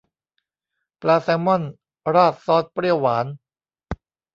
ปลาแซลมอนราดซอสเปรี้ยวหวาน